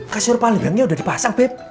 kasur palibangnya udah dipasang beb